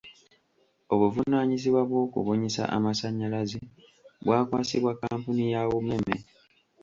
Obuvunaanyizibwa bw’okubunyisa amasannyalaze bwakwasibwa kkampuni ya UMEME.